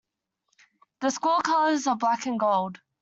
The school colors are black and gold.